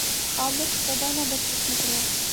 خالق سدا نا بدقسمت ریا